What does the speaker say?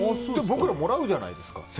僕ら、もらうじゃないですか。